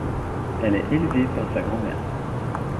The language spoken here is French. Elle est élevée par sa grand-mère.